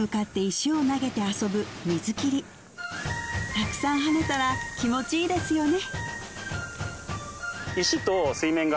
たくさん跳ねたら気持ちいいですよね